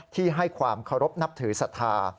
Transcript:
ที่ให้ความเคารพนับถือสถา